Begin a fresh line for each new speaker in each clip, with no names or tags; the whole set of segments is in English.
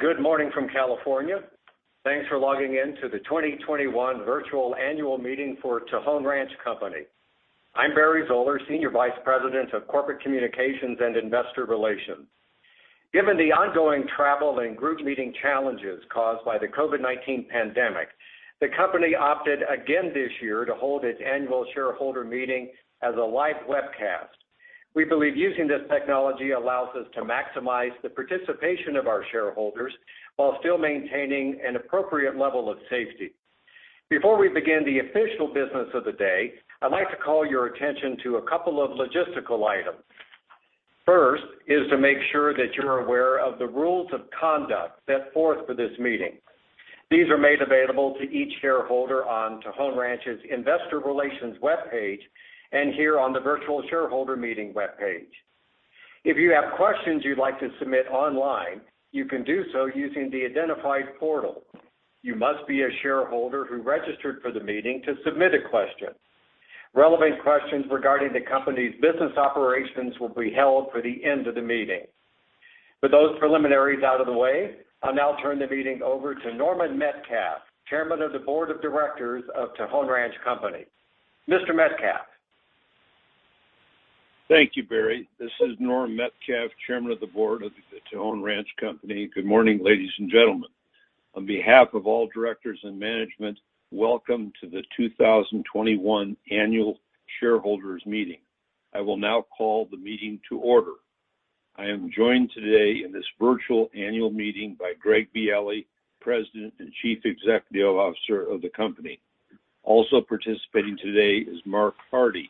Good morning from California. Thanks for logging in to the 2021 virtual annual meeting for Tejon Ranch Company. I'm Barry Zoeller, Senior Vice President of Corporate Communications and Investor Relations. Given the ongoing travel and group meeting challenges caused by the COVID-19 pandemic, the company opted again this year to hold its Annual Shareholder Meeting as a live webcast. We believe using this technology allows us to maximize the participation of our shareholders while still maintaining an appropriate level of safety. Before we begin the official business of the day, I'd like to call your attention to a couple of logistical items. First is to make sure that you're aware of the rules of conduct set forth for this meeting. These are made available to each shareholder on Tejon Ranch's investor relations webpage and here on the virtual shareholder meeting webpage. If you have questions you'd like to submit online, you can do so using the identified portal. You must be a shareholder who registered for the meeting to submit a question. Relevant questions regarding the company's business operations will be held for the end of the meeting. With those preliminaries out of the way, I'll now turn the meeting over to Norman Metcalfe, Chairman of the Board of Directors of Tejon Ranch Company. Mr. Metcalfe.
Thank you, Barry. This is Norman Metcalfe, Chairman of the Board of the Tejon Ranch Company. Good morning, ladies and gentlemen. On behalf of all directors and management, welcome to the 2021 Annual Shareholders Meeting. I will now call the meeting to order. I am joined today in this virtual annual meeting by Greg Bielli, President and Chief Executive Officer of the company. Also participating today is Marc Hardy,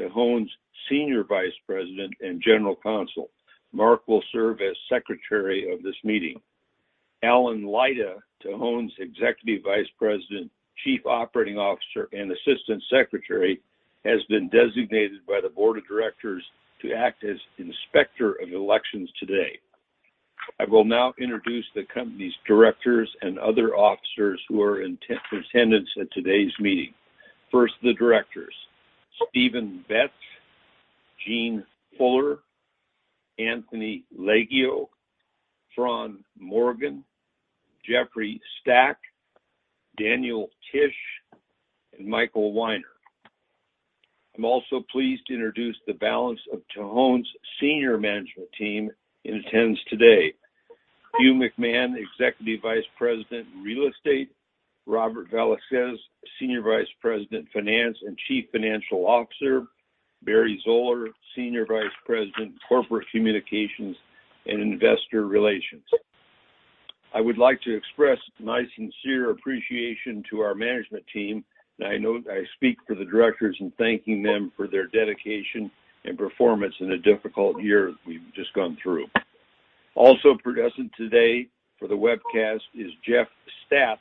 Tejon's Senior Vice President and General Counsel. Marc will serve as secretary of this meeting. Allen Lyda, Tejon's Executive Vice President, Chief Operating Officer, and Assistant Secretary, has been designated by the board of directors to act as Inspector of Elections today. I will now introduce the company's directors and other officers who are in attendance at today's meeting. First, the directors. Steven Betts, Jean Fuller, Anthony Leggio, Frawn Morgan, Geoffrey Stack, Daniel Tisch, and Michael Winer. I'm also pleased to introduce the balance of Tejon's senior management team in attendance today. Hugh McMahon, Executive Vice President, Real Estate. Robert Velasquez, Senior Vice President, Finance and Chief Financial Officer. Barry Zoeller, Senior Vice President, Corporate Communications and Investor Relations. I would like to express my sincere appreciation to our management team, and I know I speak for the directors in thanking them for their dedication and performance in a difficult year we've just gone through. Also present today for the webcast is Jeff Staff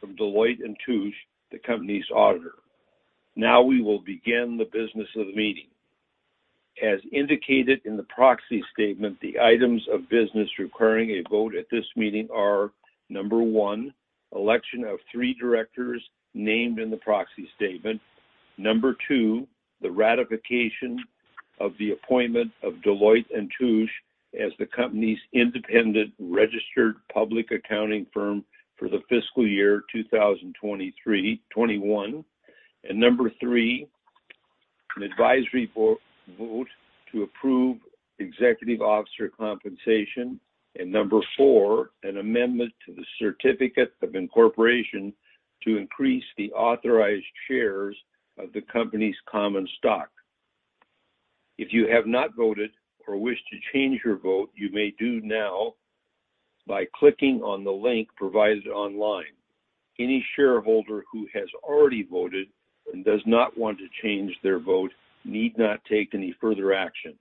from Deloitte & Touche, the company's auditor. Now we will begin the business of the meeting. As indicated in the proxy statement, the items of business requiring a vote at this meeting are, number one, election of three directors named in the proxy statement. Number two, the ratification of the appointment of Deloitte & Touche as the company's independent registered public accounting firm for the fiscal year 2021. Number three, an advisory vote to approve executive officer compensation. Number four, an amendment to the Certificate of Incorporation to increase the authorized shares of the company's common stock. If you have not voted or wish to change your vote, you may do now by clicking on the link provided online. Any shareholder who has already voted and does not want to change their vote need not take any further action.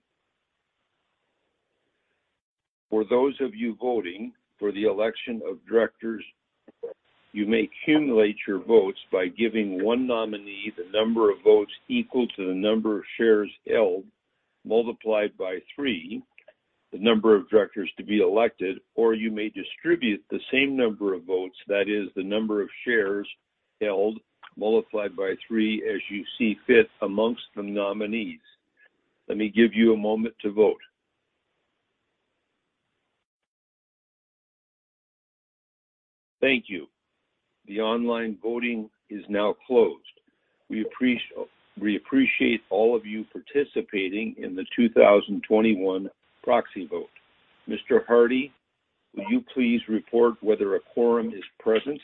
For those of you voting for the election of directors, you may accumulate your votes by giving one nominee the number of votes equal to the number of shares held, multiplied by three, the number of directors to be elected, or you may distribute the same number of votes, that is the number of shares held, multiplied by three, as you see fit amongst the nominees. Let me give you a moment to vote. Thank you. The online voting is now closed. We appreciate all of you participating in the 2021 proxy vote. Mr. Hardy, will you please report whether a quorum is present?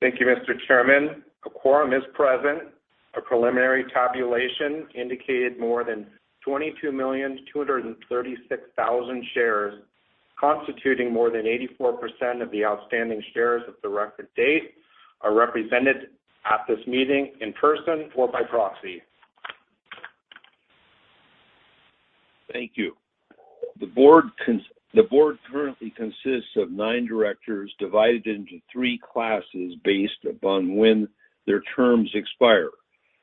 Thank you, Mr. Chairman. A quorum is present. A preliminary tabulation indicated more than 22,236,000 shares, constituting more than 84% of the outstanding shares at the record date, are represented at this meeting in person or by proxy.
Thank you. The board currently consists of nine directors divided into three classes based upon when their terms expire.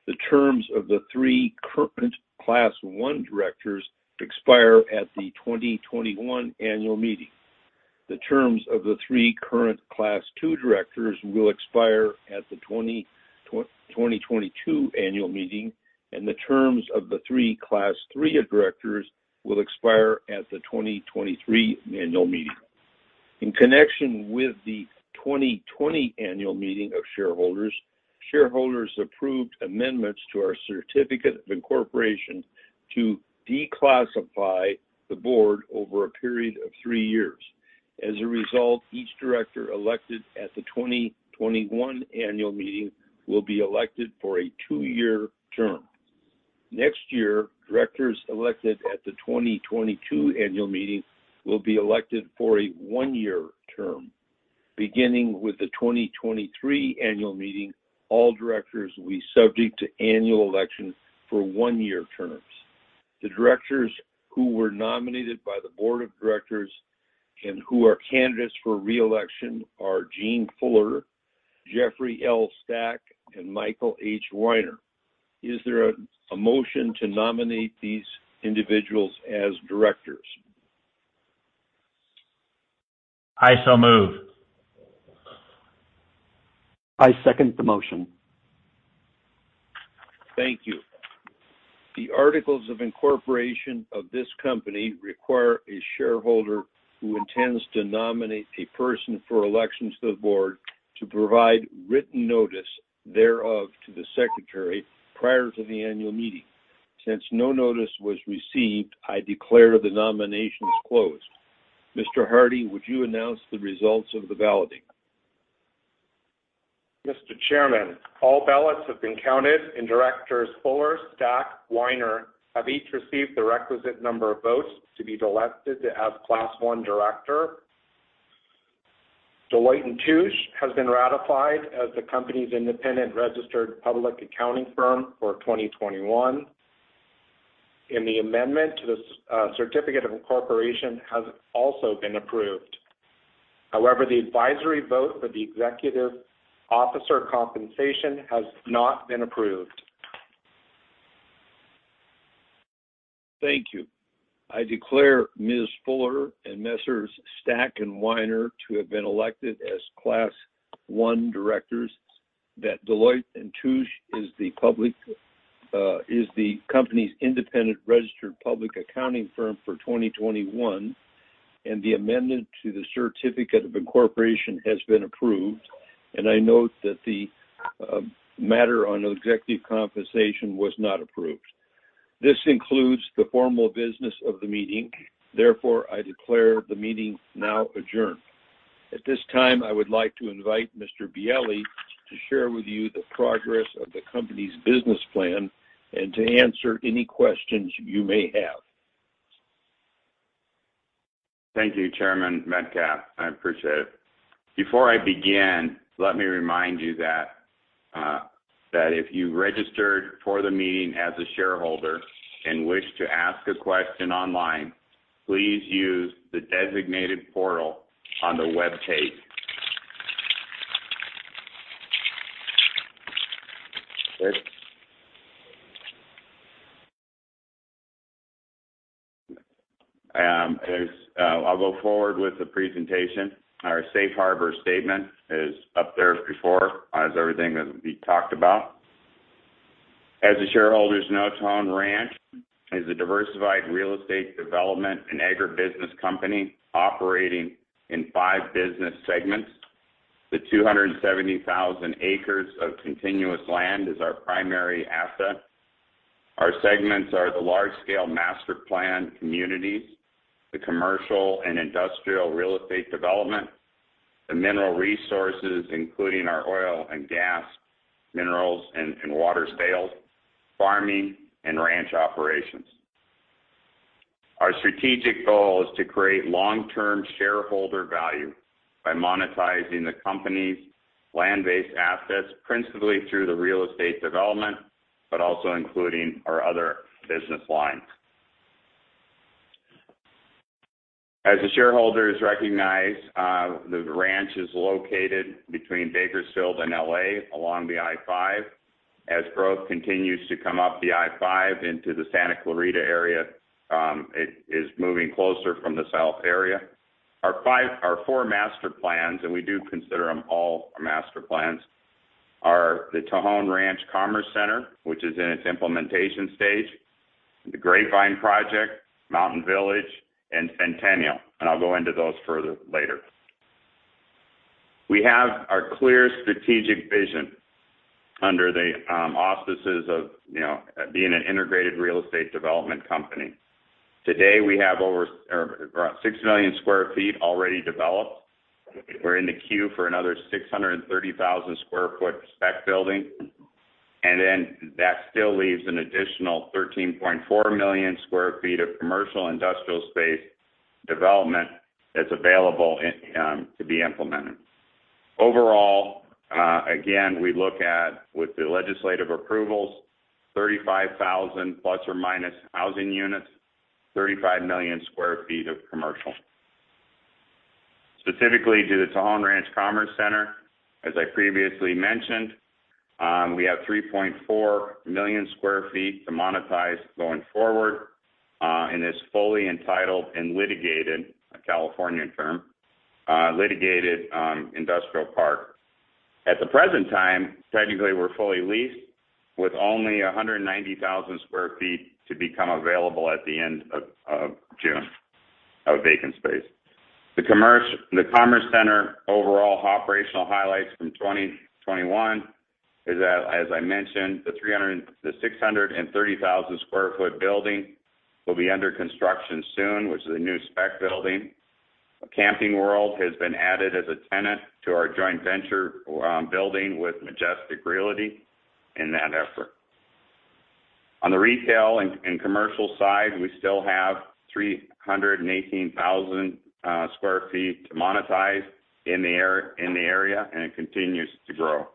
The terms of the three current class I directors expire at the 2021 annual meeting. The terms of the three current class II directors will expire at the 2022 annual meeting, and the terms of the three class III directors will expire at the 2023 annual meeting. In connection with the 2020 annual meeting of shareholders approved amendments to our Certificate of Incorporation to declassify the board over a period of three years. As a result, each director elected at the 2021 annual meeting will be elected for a two-year term. Next year, directors elected at the 2022 annual meeting will be elected for a one-year term. Beginning with the 2023 annual meeting, all directors will be subject to annual election for one-year terms. The directors who were nominated by the board of directors and who are candidates for re-election are Jean Fuller, Geoffrey L. Stack, and Michael H. Winer. Is there a motion to nominate these individuals as directors?
I so move.
I second the motion.
Thank you. The articles of incorporation of this company require a shareholder who intends to nominate a person for election to the board to provide written notice thereof to the secretary prior to the annual meeting. Since no notice was received, I declare the nominations closed. Mr. Hardy, would you announce the results of the balloting?
Mr. Chairman, all ballots have been counted, and Directors Fuller, Stack, Winer have each received the requisite number of votes to be elected as Class I director. Deloitte & Touche has been ratified as the company's independent registered public accounting firm for 2021, and the amendment to the Certificate of Incorporation has also been approved. The advisory vote for the executive officer compensation has not been approved.
Thank you. I declare Ms. Fuller and Messrs. Stack and Winer to have been elected as class I directors, that Deloitte & Touche is the company's independent registered public accounting firm for 2021, and the amendment to the Certificate of Incorporation has been approved, and I note that the matter on executive compensation was not approved. This concludes the formal business of the meeting. Therefore, I declare the meeting now adjourned. At this time, I would like to invite Mr. Bielli to share with you the progress of the company's business plan and to answer any questions you may have.
Thank you, Chairman Metcalfe. I appreciate it. Before I begin, let me remind you that if you registered for the meeting as a shareholder and wish to ask a question online, please use the designated portal on the web page. I'll go forward with the presentation. Our safe harbor statement is up there as before, as everything that we talked about. As the shareholders know, Tejon Ranch is a diversified real estate development and agribusiness company operating in five business segments. The 270,000 acres of continuous land is our primary asset. Our segments are the large-scale master planned communities, the commercial and industrial real estate development, the mineral resources, including our oil and gas, minerals, and water sales, farming, and ranch operations. Our strategic goal is to create long-term shareholder value by monetizing the company's land-based assets, principally through the real estate development, but also including our other business lines. As the shareholders recognize, the ranch is located between Bakersfield and L.A. along the I-5. As growth continues to come up the I-5 into the Santa Clarita area, it is moving closer from the south area. Our four master plans, and we do consider them all our master plans, are the Tejon Ranch Commerce Center, which is in its implementation stage, The Grapevine Project, Mountain Village, and Centennial, and I'll go into those further later. We have a clear strategic vision under the auspices of being an integrated real estate development company. Today, we have around 6 million sq ft already developed. We're in the queue for another 630,000 sq ft spec building, and then that still leaves an additional 13.4 million sq ft of commercial industrial space development that's available to be implemented. Overall, again, we look at, with the legislative approvals, 35,000± housing units, 35 million sq ft of commercial. Specifically to the Tejon Ranch Commerce Center, as I previously mentioned. We have 3.4 million sq ft to monetize going forward, and it's fully entitled and litigated, a California term, litigated industrial park. At the present time, technically, we're fully leased with only 190,000 sq ft to become available at the end of June of vacant space. The Commerce Center overall operational highlights from 2021 is that, as I mentioned, the 630,000 sq ft building will be under construction soon, which is a new spec building. Camping World has been added as a tenant to our joint venture we're building with Majestic Realty in that effort. On the retail and commercial side, we still have 318,000 sq ft to monetize in the area, and it continues to grow.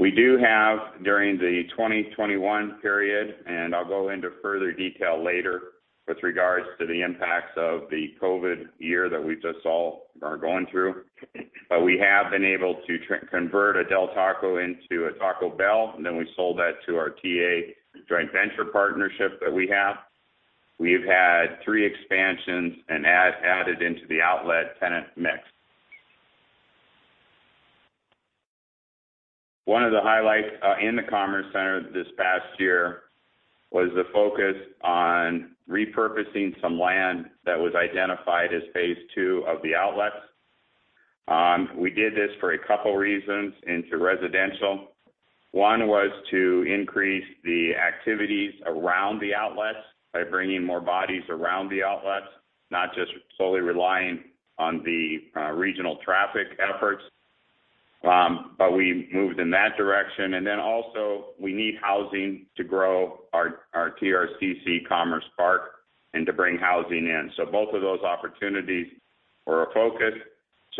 We do have, during the 2021 period, and I'll go into further detail later with regards to the impacts of the COVID-19 year that we just all are going through, but we have been able to convert a Del Taco into a Taco Bell, and then we sold that to our TA joint venture partnership that we have. We've had three expansions and added into the outlet tenant mix. One of the highlights in the Commerce Center this past year was the focus on repurposing some land that was identified as phase 2 of the outlets. We did this for a couple reasons, into residential. One was to increase the activities around the outlets by bringing more bodies around the outlets, not just solely relying on the regional traffic efforts. We moved in that direction. Also, we need housing to grow our TRCC Commerce Center and to bring housing in. Both of those opportunities were a focus.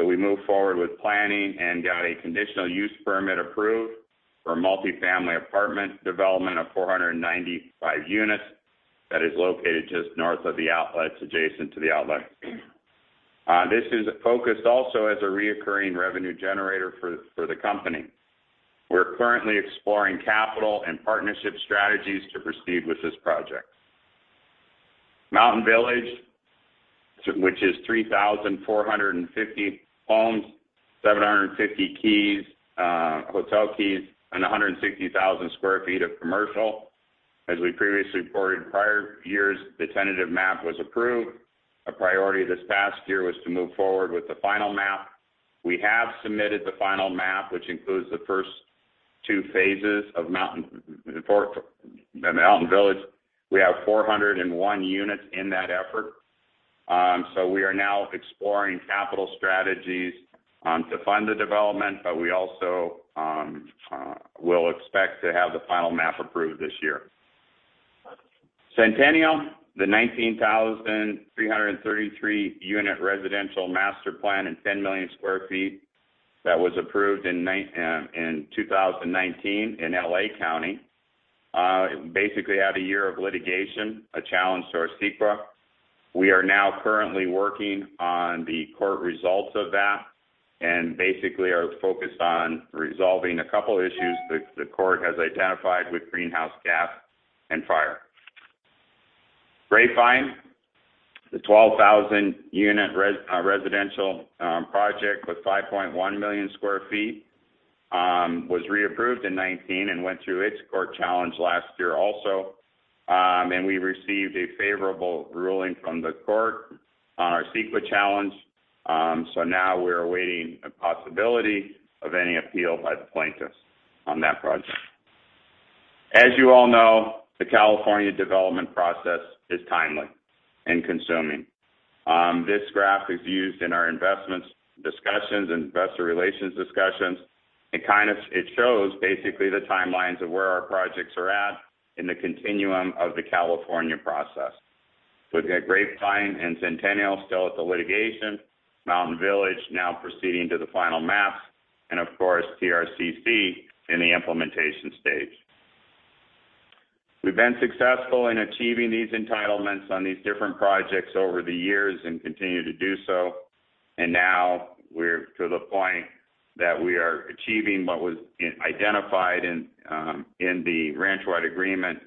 We moved forward with planning and got a conditional use permit approved for a multi-family apartment development of 495 units that is located just north of the outlets, adjacent to the outlet. This is a focus also as a reoccurring revenue generator for the company. We're currently exploring capital and partnership strategies to proceed with this project. Mountain Village, which is 3,450 homes, 750 hotel keys, and 160,000 sq ft of commercial. As we previously reported, prior years, the tentative map was approved. A priority this past year was to move forward with the final map. We have submitted the final map, which includes the first two phases of Mountain Village. We have 401 units in that effort. We are now exploring capital strategies to fund the development, but we also will expect to have the final map approved this year. Centennial, the 19,333 unit residential master plan and 10 million sq ft that was approved in 2019 in L.A. County. Basically had a year of litigation, a challenge to our CEQA. We are now currently working on the court results of that, and basically are focused on resolving a couple issues that the court has identified with greenhouse gas and fire. Grapevine, the 12,000 unit residential project with 5.1 million sq ft, was reapproved in 2019 and went through its court challenge last year also. We received a favorable ruling from the court on our CEQA challenge. Now we're awaiting the possibility of any appeal by the plaintiffs on that project. As you all know, the California development process is timely and consuming. This graph is used in our investments discussions, investor relations discussions. It shows basically the timelines of where our projects are at in the continuum of the California process. We've got Grapevine and Centennial still at the litigation, Mountain Village now proceeding to the final map, and of course, TRCC in the implementation stage. We've been successful in achieving these entitlements on these different projects over the years and continue to do so. Now we're to the point that we are achieving what was identified in the Ranch-Wide Agreement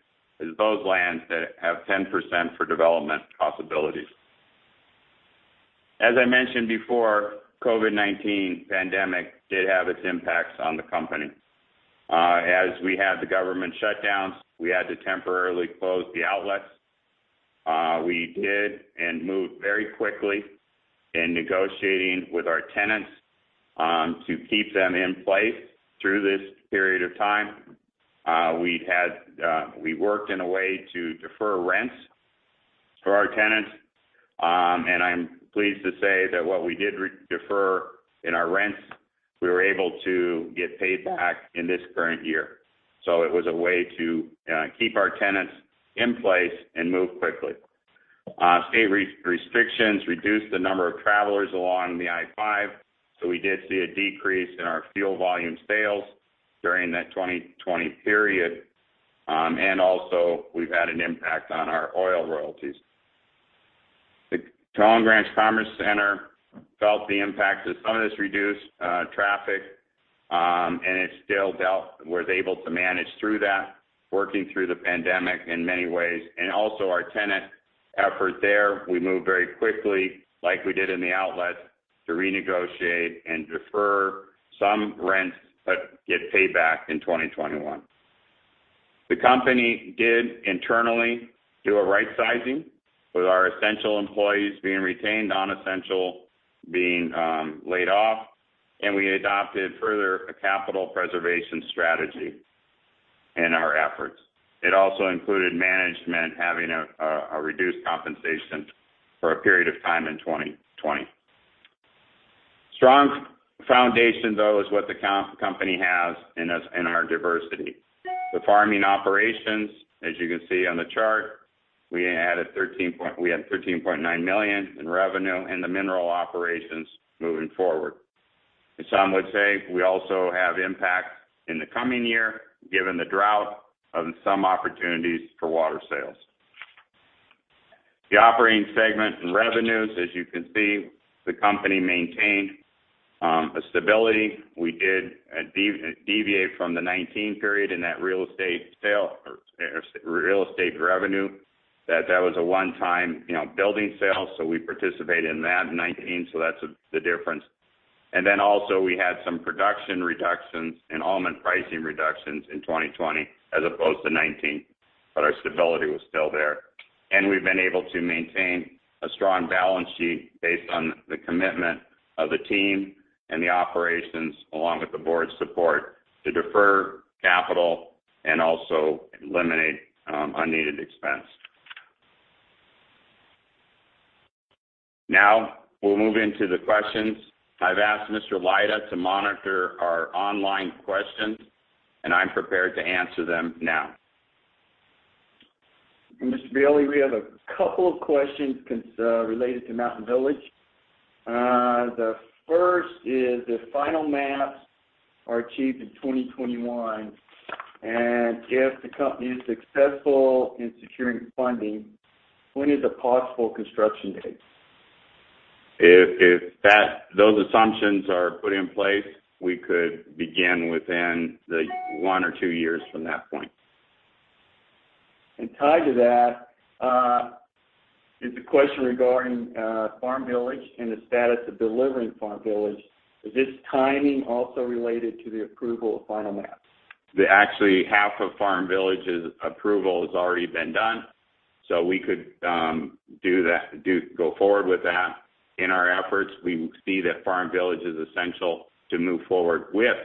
as those lands that have 10% for development possibilities. As I mentioned before, COVID-19 pandemic did have its impacts on the company. As we had the government shutdowns, we had to temporarily close the outlets. We did and moved very quickly in negotiating with our tenants, to keep them in place through this period of time. We worked in a way to defer rents for our tenants. I'm pleased to say that what we did defer in our rents, we were able to get paid back in this current year. It was a way to keep our tenants in place and move quickly. State restrictions reduced the number of travelers along the I-5, so we did see a decrease in our fuel volume sales during that 2020 period. Also, we've had an impact on our oil royalties. The Tejon Ranch Commerce Center felt the impact of this reduced traffic, and it still was able to manage through that, working through the pandemic in many ways. Also our tenant effort there, we moved very quickly, like we did in the outlet, to renegotiate and defer some rent, but get paid back in 2021. The company did internally do a right-sizing, with our essential employees being retained, non-essential being laid off. We adopted further a capital preservation strategy in our efforts. It also included management having a reduced compensation for a period of time in 2020. Strong foundation, though, is what the company has in our diversity. The farming operations, as you can see on the chart, we had $13.9 million in revenue in the mineral operations moving forward. Some would say we also have impact in the coming year, given the drought of some opportunities for water sales. The operating segment and revenues, as you can see, the company maintained a stability. We did deviate from the 2019 period in that real estate revenue. That was a one-time building sale, so we participated in that in 2019, so that's the difference. Also we had some production reductions and almond pricing reductions in 2020 as opposed to 2019, our stability was still there. We've been able to maintain a strong balance sheet based on the commitment of the team and the operations, along with the board's support to defer capital and also eliminate unneeded expense. We'll move into the questions. I've asked Mr. Lyda to monitor our online questions, and I'm prepared to answer them now.
Mr. Bielli, we have a couple of questions related to Mountain Village. The first is the final map achieved in 2021. If the company is successful in securing funding, when is a possible construction date?
If those assumptions are put in place, we could begin within one or two years from that point.
Tied to that, is the question regarding Farm Village and the status of delivering Farm Village. Is this timing also related to the approval of final maps?
Actually, half of Farm Village's approval has already been done. We could go forward with that. In our efforts, we see that Farm Village is essential to move forward with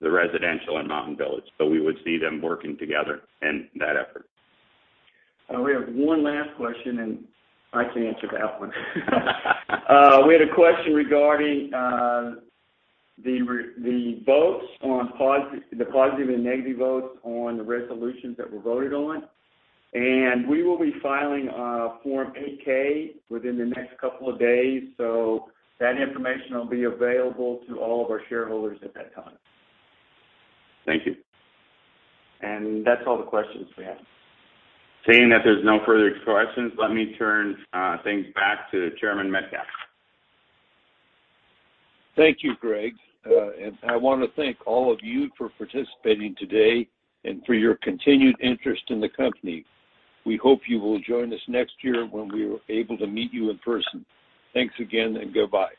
the residential and Mountain Village. We would see them working together in that effort.
We have one last question, and I can answer that one. We had a question regarding the positive and negative votes on the resolutions that were voted on, and we will be filing a Form 8-K within the next couple of days, so that information will be available to all of our shareholders at that time.
Thank you.
That's all the questions we have.
Seeing that there's no further questions, let me turn things back to Chairman Metcalfe.
Thank you, Greg. I want to thank all of you for participating today and for your continued interest in the company. We hope you will join us next year when we are able to meet you in person. Thanks again and goodbye.